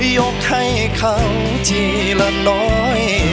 ยกให้เขาทีละน้อย